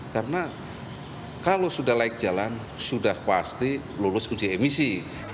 karena kalau sudah like jalan sudah pasti lolos uji emisi